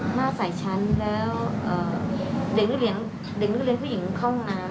หน้าใส่ชั้นแล้วเอ่อเด็กนักเรียนเด็กนักเรียนผู้หญิงเข้าห้องน้ำ